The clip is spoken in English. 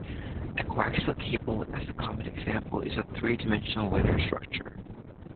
A coaxial cable, as a common example, is a three-dimensional linear structure.